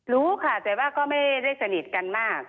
รู้ค่ะแต่ว่าก็ไม่ได้สนิทกันมาก